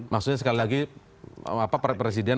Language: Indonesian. maksudnya sekali lagi presiden